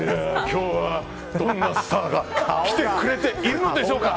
今日は、どんなスターが来てくれているのでしょうか。